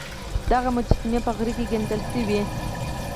دغه مجسمې په غره کې کیندل شوې وې